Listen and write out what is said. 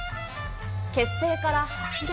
結成から８年。